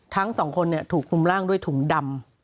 ทั้งสองคนถูกคลุมร่างด้วยถุงดำ